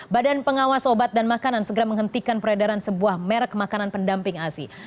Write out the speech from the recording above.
badan pengawas obat dan makanan segera menghentikan peredaran sebuah merek makanan pendamping asi